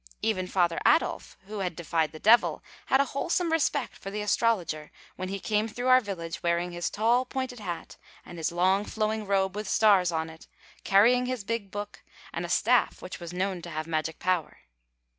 Even Father Adolf, who had defied the Devil, had a wholesome respect for the astrologer when he came through our village wearing his tall, pointed hat and his long, flowing robe with stars on it, carrying his big book, and a staff which was known to have magic power.